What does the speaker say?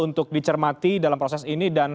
untuk dicermati dalam proses ini dan